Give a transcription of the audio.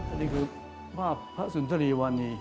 อันนี้คือภาพพระสุนทรีวานี